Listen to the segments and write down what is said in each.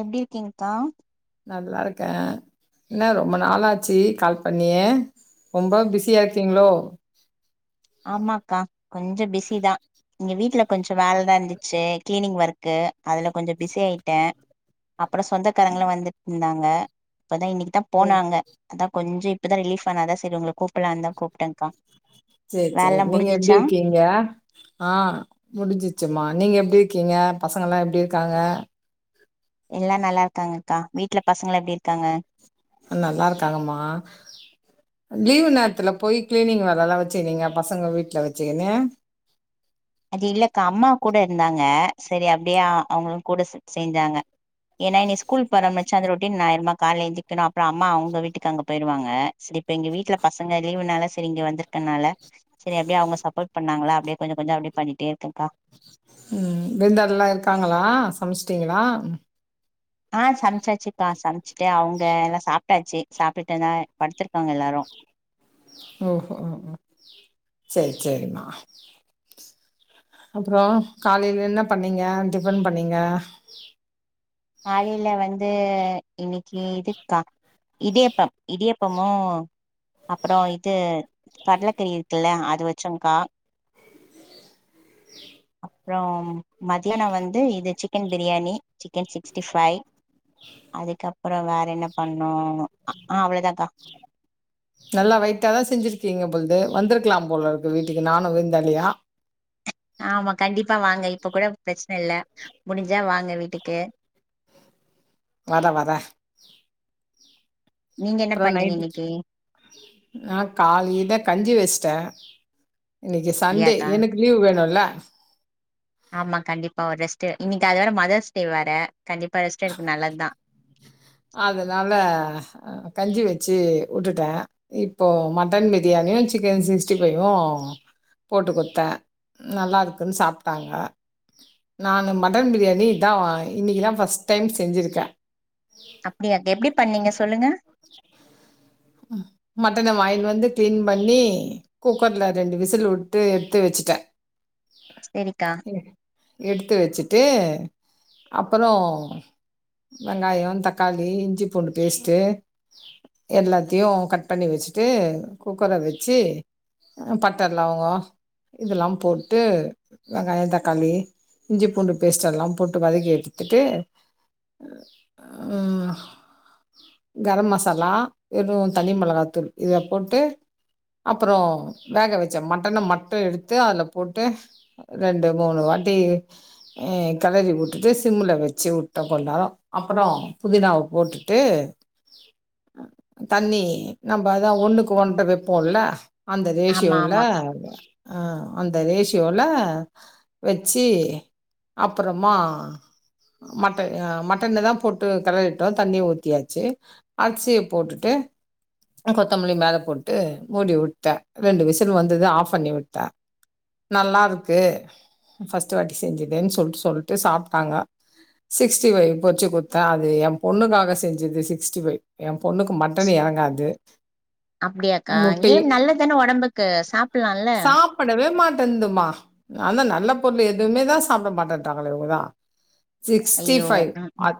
எப்டி இருக்கீங்க்கா நல்லாருக்கேன் என்ன ரொம்ப நாளாச்சு கால் பண்ணியேன் ரொம்ப பிஸியா இருக்கீங்களோ ஆமாக்கா கொஞ்சம் பிஸி தான் நீங்க வீட்டுல கொஞ்ச வேல தான் இருந்துச்சு கிளீனி்ங் ஒர்க் இருக்கு அதுல கொஞ்ச பிஸி ஆயிட்டேன் அப்பறம் சொந்தக்காரங்கள வந்துட் இருந்தாங்க அ இப்பதான் இன்னக்கு தான் ஓ போனாங்க அதான் கொஞ்சப் இப்பதான் ரிலீஃப் ஆனாதான் சரி உங்க கூப்பிடலாம்னு தான் கூப்பிட்டேங்கா சரி சரி நீங்க எப்டி இருக்கீங்க ஆஹ் முடிஞ்சுச்சுமா நீங்க எப்டி இருக்கீங்க பசங்க எலாம் எப்டி இருக்காங்க எல்லாம் நல்லா இருக்காங்க அக்கா வீட்டுல பசங்க எப்டி இருக்காங்க நல்லா இருக்காங்கம்மா லீவ் நேரத்துல போய் கிளீனிங் வேல எலாம் வச்சுக்குனீங்க பசங்க வீட்டுல வச்சுக்குனு அது இல்லக்கா அம்மா கூட இருந்தாங்க சரி அப்டியே அவங்களும் கூட செஞ்சாங்க ஏன்னா இ குல் பரமச்சந்திர ரட்டின் ஞாயிறமா கால்ல எந்திக்கணும் அப்பறம் அம்மா அவங்க வீட்டுக்கு அங்க போயிருவாங்க சரி இப்ப எங்க வீட்டுல பசங்க லீவுனால செரி இங்க வந்திருக்கனால செரி அப்டியே அவங்க சப்போர்ட் பண்ணாங்களா அப்டியே கொஞ்ச கொஞ்ச அப்டியே பண்ணிட்டே இருக்கக்கா உம் விருந்தாடி எலாம் இருக்காங்களா சமச்சுட்டீங்களா ஆஹ் சமச்சாச்சுக்கா சமச்சுட்டு அவங்க எலாம் சாப்பிட்டாச்சு சாப்பிட்டுட்டுந்தான் படுத்திருக்காங்க எலாரும் ஓஹோ ஓ செரி செரிமா அப்பறம் காலையில என்ன பண்ணீங்க டிஃபன் பண்ணீங்க ஆள் இல்ல வந்து இது இன்னக்கு இதுக்கா இதடியப்பம் இடியப்பமும் அப்புறம் இது கடலக்கறி இருக்குல்ல அது வச்சோங்க்கா அப்பறம் மத்தியானம் வந்து இது chicken biryani chicken sixty five அதுக்கப்பறம் வேற என்ன பண்ணும் ஆ அவ்ளோதாக்கா நல்லா வெயிட்டாதான் செஞ்சிருக்கீங்க பொழுது வந்திருக்கலாம் போல இருக்கு வீட்டுக்கு நானும் விருந்தாளியா ஆமா கண்டிப்பா ப்ப வாங்க இப்ப கூட பிரச்சன இல்ல முடிஞ்சா வாங்க வீட்டுக்கு வதா வதா நீங்க என்ன அப்பறம் பண்ணீங்க நைட்டு இன்னைக்கு ஆஹ காலிலதான் கஞ்சி வெச்சிட்டேன் [inaudible] இன்னிக்கு சண்டே அப்டியாக்கா எனக்கு லீவ் வேணும்ல [inaudible] ஆமா கண்டிப்பா ஒரு ரெஸ்ட் இன்னிக்கு அத வேற மதர்ஸ் டே வர கண்டிப்பா ரெஸ்ட் எக்கு நல்லதுதான் அதனால கஞ்சி வச்சு உட்டுட்டேன் இப்போ மட்டன் பிரியாணியும் சிக்கன் சிக்ஸ்டி ஃபையும் போட்டு கொத்தேன் நல்லா இருக்குன்னு சாப்பிட்டாங்க நானு மட்டன் பிரியாணிதான் இன்னிக்குதான் பர்ஸ்ட் டைம் செஞ்சிருக்கே அப்டியா எப்டி பண்ணீங்க சொல்லுங்க மட்டன வாங்கிந்து வந்து கிளீன் பண்ணி குக்கர்ல ரெண்டு விசில் உட்டு எடுத்து வச்சுட்டேன் செரிக்கா எடுத்து வச்சுட்டு அப்புறோ வெங்காயோ தக்காளி இஞ்சி பூண்டு பேஸ்ட்டு எல்லாத் த்தையு கட் பண்ணி வச்சுட்டு குக்கர வச்சு பட்ட லவங்கோ இதெல்லா போட்டு வெங்காயோ தக்காளி இஞ்சி பூண்டு பேஸ்ட்டு எல்லா போட்டு வதக்கி எடுத்துட்டு ம் கரம் மசாலா வெறு தனி மிளகாத்தூள் இத போட்டு அப்புறோ வேக வச்சே மட்டன மட்டு எடுத்து அதில போட்டு ரெண்டு மூணு வாட்டி ஆ கெளறி விட்டுட்டு சிம்மில வச்சு விட்டு கொஞ்ச நேரோ அப்புறோ புதினாவ போட்டுட்டு தண்ணி நம்ம அதான் ஒண்ணுக்கு ஒன்ற வைப்போல அந்த ஆமா ரேஷியோல ஆமாக்கா ஆ அந்த ரேஷ் [unintelligible] வச்சு அப்புறமா மட் அ மட்டனதா போட்டு கெளறிட்டோ தண்ணி ஊத்தியாச்சு அர்சிய போட்டு ட்டு ஆ கொத்தமல்லி மேல போட்டு மூடி விட்டுட்டே ரெண்டு விசில் வந்தது ஆஃப் பண்ணி விட்டே நல்லா இருக்கு ஃபர்ஸ்ட் வாட்டி செஞ்சதுன்னு சொல்ட்டு சாப்ட்டாங்க சிக்ஸ்டிஃபைவ் பொரிச்சு குட்த்தே அது என் பொண்ணுக்காக செஞ்சது சிக்ஸ்டிஃபைவ் என் பொண்ணுக்கு ட்டன் எறங்காது அப்டியாக்கா ஏன் நல்லதுதான ஒடம்புக்கு சாப்படலாம்ல ருந்துமா அதா நல்ல பொருள் எதுவுமேதா சாப்ட மாட்டன்றாங்களே இவுங்கதா சிக்ஸ்டி ஐயோ ஃபைவ் ம் அ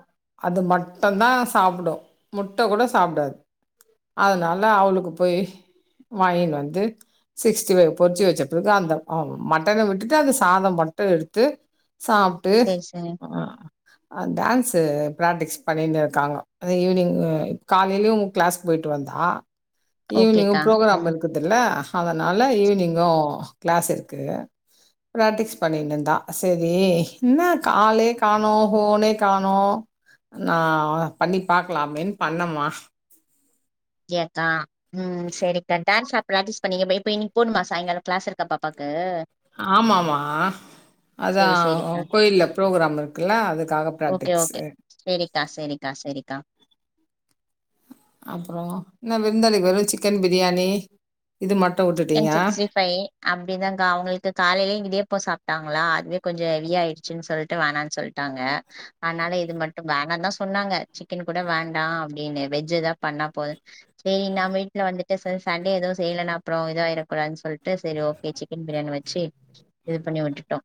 அது மட்டும்தா சாப்டு முட்டை கூட சாப்டாது அதனால அவளுக்கு போய் வாங்கின் வந்து சிக்ஸ்டி ஃபைவ் பொரிச்சு வச்ச பிறகு அந்த ஆ மட்டன விட்டுட்டு அந்த சாதோ மட்டு எடுத்து சாப்ட்டு செரி செரி ஆ ஆ டான்ஸு பிராக்டிஸ் பண்ணினு இருக்காங்க ஈவினிங் காலைலயு கிளாஸ் போயிட்டு வந்தா ஈவ்னிங் ஓகேக்கா ப்ரோக்ராம் ம் இருக்குதல்ல அதனால ஈவினிங்கு கிளாஸ் இருக்கு ப்ராக்டிஸ் பண்ணினு இருந்தா சரி என்ன காலே காணோ ஹோனே காணோ நா பண்ணி பாக்கலா அப்டின்னு பண்ணமா யேக்கா ம் சரிக்கா டான்ஸா பிராக்டிஸ் பண்ணீங்க இப்ப இன்னிக்கு போணுமா சாயங்கால கிளாஸ் இருக்கா பாப்பாக்கு ஆமாம்மா அதா சேரி சேரிக்கா கோயில்ல பரோக்ராம் இருக்குல்ல அதுக்காக ஓகே ஓகே பிராக்டிஸு சேரிக்கா சேரிக்கா சேரிக்கா அப்றோ என்ன விருந்தாளிக்கி வெறு சிக்கன் பிரியாணி இது மட்டு சிக்கன் வுட்டுட்டீங்க சிக்ஸ்டி ஃபைவ் அப்டிதாங்க அவங்களுக்கு காலையிலயே இடியாப்போ சாப் விட்டாங்களா அதுவே கொஞ்சம் ஹெவி ஆயிடுச்சுன்னு சொல்ட்டு வேணான்னு சொல்ட்டாங்க அதனால இது மட்டு வேண்டான்னுதா சொன்னாங்க சிக்கன் கூட வேண்டா அப்டின்னு வெஜ் ஏதா பண்ணா போது சரி நான் வீட்ல வந்துட்டு சரி சண்டே எதுவும் செய்யலனா அப்றோ இதாயிறக்கூடாதுன்னு சொல்ட்டு செரி ஓகே சிக்கன் பிரியாணி வச்சு இது பண்ணி விட்டுட்டோ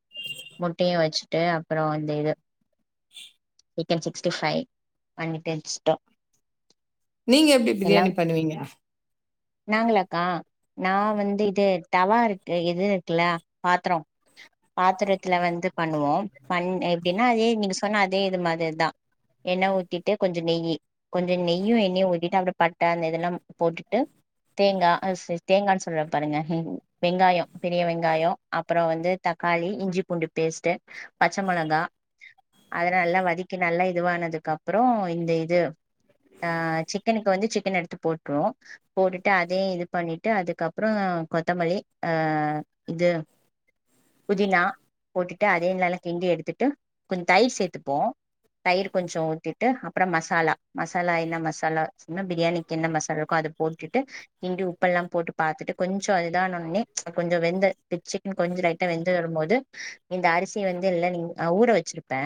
முட்டையும் வச்சுட்டு அப்றோ இந்த இது சிக்கன் சிக்ஸ்ட்டி ஃபைவ் பண்ணிட்டு வச்சுட்டோ நீங்க எப்டி எல்லா பிரியாணி பண்ணுவீங்க நாங்களாக்கா நான் வந்து இது தவா இருக்கு இது இருக்குல்ல பாத்ரோ பாத்திரத்துல வந்து பண்ணுவோ பண் எப்டின்னா அதே நீங்க சொன்ன அதே இது மாதிரிதா எண்ணெய் ஊத்திட்டு கொஞ்ச நெய்யி கொஞ்சோ நெய்யு எண்ணெயு ஊத்திட்டு அப்றோ பட்ட அந்த இதெல்லா போட்டுட்டு தேங்கா அது [unintelligible] தேங்கான்னு சொல்றாரு பாருங்க வெங்காயோ பெரிய வெங்காயோ அப்றோ வந்து தக்காளி இஞ்சி பூண்டு பேஸ்ட்டு பச்ச மொளகா அதல்ல நல்லா வதக்கி நல்லா இதுவானதுக்கப்றோ இந்த இது ஆ சிக்கனுக்கு வந்து சிக்கன் எடுத்து போட்ருவோ போட்டுட்டு அதையு இது பண்ணிட் ட்டு அதுக்கப்றோ கொத்தமல்லி ஆ இது புதினா போட்டுட்டு அதயு நல்லா கிண்டி எடுத்துட்டு கொஞ்சம் தயிர் சேத்துப்போ தயிர் கொஞ்சோ ஊத்திட்டு அப்புறம் மசாலா மசாலா என்ன மசாலா சொன்னா பிரியாணிக்கு என்ன மசாலா இருக்கோ அதை போட்டுட்டு கிண்டி விட் ப்பு எல்லாம் போட்டு பாத்துட்டு கொஞ்ச அது இதானவுட்னே கொஞ்ச வெந்த இது சிக்கன் கொஞ்ச லைட்டா வெந்து வரும்போது இந்த அரிசிய வந்து இல்ல நீங் ஆ ஊற வச்சிருப்பே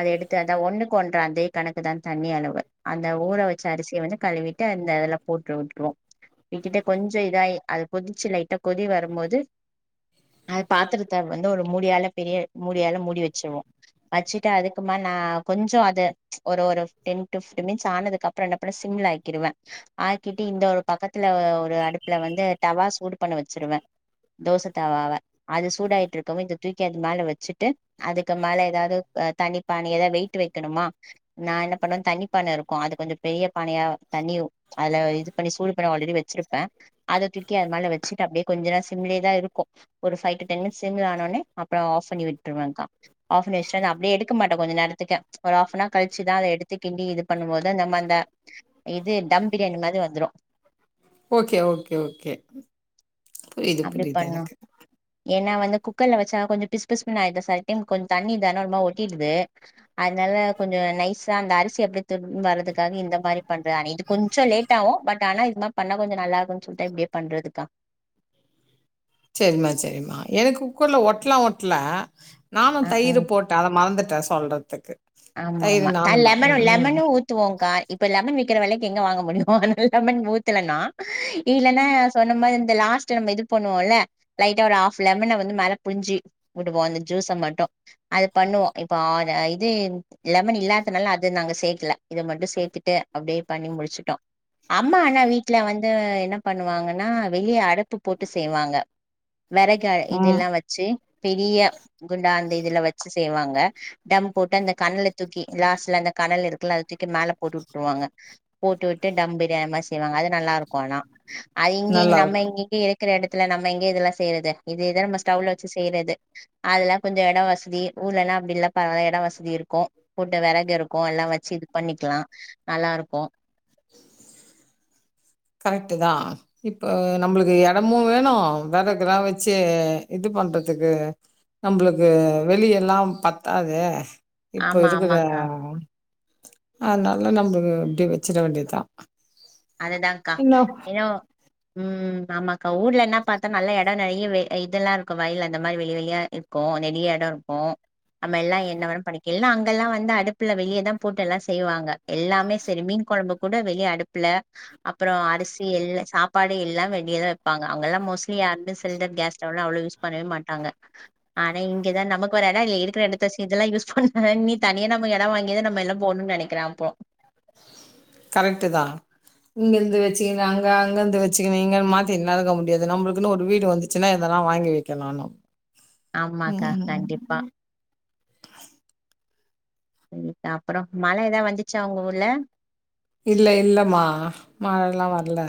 அத எடுத்து அதா ஒண்ணுக்கு ஒன்ர அதே கணக்குதா தண்ணி அளவு அந்த ஊற வச்ச அரிசிய வந்து கழுவிட்டு அந்த அதுல போட்டு விட்ருவோ. விட்டுட்டு கொஞ்ச இதாயி அது கொதிச்சு லைட்டா கொதி வரும்போது அது பாத்திரத்த வந்து ஒரு மூடியால பெரிய மூடியால மூடி வச்சிருவோ வச்சுட்டு அதுக்கு மேல நா கொஞ்சோ அத ஒரு ஒரு டென் டு ஃபிஃப்டீன் மினிட்ஸ் ஆனதுக்குப்றோ என்ன பண்ணுவே சிம்ல ஆக்கிடுவே ஆக்கிட்டு இந்த ஒரு பக்கத் த்துல ஒரு அடுப்புல வந்து தவா சூடு பண்ண வச்சிருவே தோசை தவாவ அது சூடாயிட்டு இருக்கவு இத தூக்கி அது மேல வச்சுட்டு அதுக்கு மேல ஏதாவது அ தண்ணி பானைய ஏதாவது வெயிட்டு வைக்கணுமா நா என்ன பண்ணுவேன் தண்ணி பானை இருக்கும் அது கொஞ்சோ பெரிய பானையா தண்ணி அதுல இது பண்ணி சூடு [unintelligible] ஆல்ரெடி வச்சிருப்பே அத தூக்கி அது மேல வச்சட்டு அப்டியே கொஞ்ச நேரோ சிம்லயேதா இருக்கு ஒரு ஃபைவ் டு டென் மினிட்ஸ் சிம்ல ஆன உடனே அப்றோ ஆஃப் பண்ணி விட் விட்ருவேங்க்கா ஆப் பண்ணி வச்சுட் [unintelligible] அப்டி எடுக்க மாட்டே கொஞ்ச நேரத்துக்கு ஒரு ஹாஃப் அன் அவர் கழிச்சுதா அத எடுத்து கிண்டி இது பண்ணும்போது தான் நம்ப அந்த இது தம் பிரியாணி மாதிரி வந்துரு ஓகே ஓகே ஓகே புரியுது அப்டி புரியுது பண்ணு எனக்கு ஏன்னா வந்து குக்கர்ல வச்சா கொஞ்சம் பிஸ் பிஸ்னு ஆயிருது செல டைம் கொஞ்ச தண்ணி தானே ஒருமார ஒட்டிடுது அதனால கொஞ்சோ நைஸா அந்த அரிசி அப்டியே [unintelligible] வரதுக்காக இந்த மாரி பண்ற ஆனா இது கொஞ்ச லேட் ஆகு பட் ஆனா இது மாரி பண்ணா கொஞ்சம் நல்லா இருக்கும்ன்னு சொல்ட்டு இப்டியே பண்றதுக்கா செரிம்மா செரிம்மா எனக்கு குக்கர்ல ஒட்லா ஒட்ல ஆ நானும் ஆ தயிர் போட்டே அத மறந்துட்டேன் சொல்றதுக்கு ஆமா தயிரு ஆமா நானுந்தா ம் லெமனும் ம் லெமனும் ஊத்துவோங்கா இப்ப லெமனு விக்கி க்கிறவேலக்கி எங்க வாங்க முடியும் ஆனால லெமன் ஊத்துலன்னா இல்லைன்னா சொன்ன மாரி இந்த லாஸ்ட் நம்ம இது பண்ணுவோல்ல லைட்டா ஆஃப் லெம வந்து மேல புஞ்சி விடுவோம் அந்த ஜூஸை மட்டும் அது பண்ணுவோம் இப்ப இது லெமன் இல்லாதனால அது நாங்க சேக்கல இது மட்டும் சேத்துட்டு அப்படியே பண்ணி முடிச்சுட்டோம் அம்மா ஆனா வீட்டுல வந்து என்ன பண்ணுவாங்கனா வெளிய அடுப்பு போட்டு செய்வாங்க வெறக ம் இதெல்லாம் வச்சு பெரிய குண்டா அந்த இதுல வச்சு செய்வாங்க தம்ப் போட்டு அந்த கணலா தூக்கி லாஸ்ட்ல அந்த கணல் இருக்குல அத தூக்கி மேலே போட்டு விட்டுருவாங்க போட்டு விட்டு டம் பிரியாணிமாரி செய்வாங்க அது நல்லா இருக்கும் ஆனா அது இங்கேங்க நம்ம நல்லாருக்கு இங்கங்க இரு இருக்குற இடத்துல நம்ம எங்கே இதல்லாம் செய்றது இதேதான் நம்ம ஸ்டவ்ல வச்சு செய்றது அதல்லாம் கொஞ்சம் இடம் வசதி ஊர்லலாம் அப்டியில்லப்பா இடம் வசதி இருக்கு க்கும் கூட்டு விறகு இருக்கும் எல்லாம் வச்சு இது பண்ணிக்கலாம் நல்லா இருக்கு கரெக்ட்டு தா இப்ப நம்மளுக்கு எடமும் வேணும் வேறகலாம் வச்சு இது பண்றதுக்கு நம்மளுக்கு வெளிய எல்லாம் பத்தாதே இப்ப ஆமா ஆமாக்கா இருக்குதாங்க அதனால நம்ம இப்டி வச்சிற வேண்டியதான் அக்கா என்னோ உம் ஆமாக்கா ஊர்லனா பாத்தா நல்லா இடம் நெறயவே இதல்லாம் இருக்கும் வயல் அந்த மாரி வெளி வெளியாக இருக்கும் நெறய எடோ இருக்கும் நம்ம எல்லாம் என்னவேன பண்ணிகல என்ன அங்கயெல்லாம் வந்து அடுப்புலா வெளியே தான் போட்டு எல்லாம் செய்வாங்க எல்லாமே செரி மீன் கெழம்பு பொட வெளிய அடுப் ப்புல அப்புறம் அரிசி எல் சாப்பாடு எல்லாம் வெளியதான் வைப்பாங்க அங்கல்லாம் மோஸ்லி யாருமே சிலிண்டர் கேஸ் ஸ்டவ்லாம் அவ்வளவு யூஸ் பண்ணவே மாட்டாங்க ஆனா இங்க தான் நமக்கு ஒரு இடம் இல் இருக்கிற இடத்த இதெல்லாம் யூஸ் பண்ண இனி தனியா நம்ம இடம் வாங்கியதான் நம்ம எல்லாம் போடனூம்னு நெனைக்குறேன் அப்போ கரெக்ட்டு தான் இங்கயிருந்து வச்சுக்குணு அங்க அங்கயிருந்து வச்சுக்குணு அங்க மாத்தின்லா இருக்க முடியாது நம்மளுக்குனு ஒரு வீடு வந்துச்சுனா இதலாம் வாங்கி வைக்கணும்ணு ஆமாக்கா கண்டிப்பா ம் அப்றோம் மழ ஏதாவது வந்துச்சா உங்க ஊர்ல இல்ல இல்லமா மழல்லா வர்ல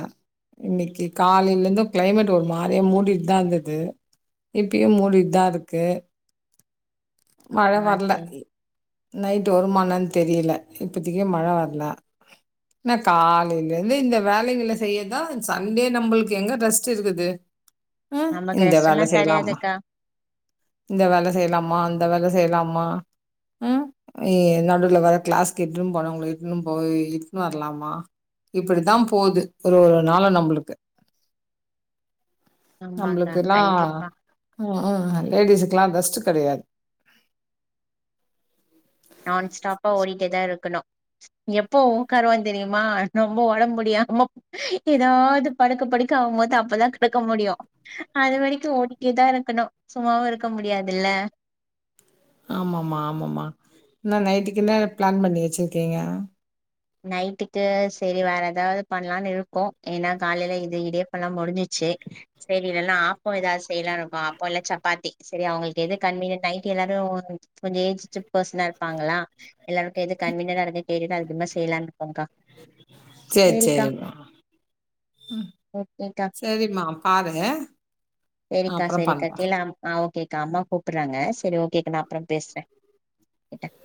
இன்னைக்கு காலையில இருந்தும் கிளைமேட் ஒரு மாரிய மூடிட்டுதான் இருந்தது இப்பையும் மூடிட்டுதான் இருக்கு மழ ஆ வர்ல சரி நைட் வருமாஎன்னானு தெரியில இப்பதைக்கு மழ வர்ல நா காலேயிலேயிருந்து இந்த வேலைகள செய்யதான் சண்டே நம்மளுக்கு எங்க ரெஸ்ட் இருக்குது அஹ் நமக்கு இந்த ரெஸ்ட் வேல எல்லா செய்லாம கெடையாதுக்கா இந்த வேல செய்லாமா அந் அத வேல செய்யலாமா உம் நடுல வேற கிளாஸ்க்கு இட்டுன்டுபோனாவங்கால இட்டுன்டு போய் இக்குனு வரலாமா இப்புடித்த போகுது ஒரு ஒரு நாளு நம்புளுக்கு ஆமாக்கா நம்மளுக்கெல்லாம் கண்டிப்பா உம்உம் லேடிஸ்க்கெல்லாம் ரெஸ்ட் கெடையாது நான்ஸ்டாப்பா ஓடிட்டேதா இருக்கணும் எப்போ ஓக்காருவோ தெரியுமா ரொம்ப உடம்பு முடியாம ஏதாவது படுக்க படுக்க அவும் போது அப்பதான் படுக்க முடியும் அதுவரைக்கும் ஓடிக்கிட்டேதான் இருக்கணும் சும்மாவும் இருக்க முடியாதுல ஆமாம்மா ஆமாம்மா என்ன நைட்டுக்கு என்ன ஃபிளான் பண்ணி வச்சுருக்கீங்க நைட்டுக்கு செரி வேறஏதாவது பண்ணலானு இருக்கோம் ஏன்னா காலயில இது இடியப்பான முடிஞ்சுருச்சு செரி இல்லன்னா ஆப்போம் ஏதாது செய்லானு இருக்கோம் ஆப்போம் இல்ல சப்பாத்தி செரி அவங்களுக்கு எது கன்வீனியன் நை் எல்லாரும் கொஞ்சம் ஏஜ்சுடு பேசனா இருப்பாங்களா எல்லாருக்கும் எது கன்வீனியன்டா இரு கேட்டுட்டு அதுக்கேத்த செய்லான் சேர சேரிமா ம் ஓகேக்கா சேரிமா பாருங்க அப்பறம் பண்றே கேக்காம்மா கூப்புறாங்க செரி ஓகோ நா அப்புற பேசுறே இடக்